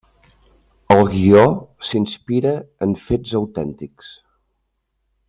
El guió s’inspira en fets autèntics.